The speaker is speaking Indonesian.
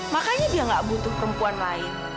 makanya dia nggak butuh perempuan lain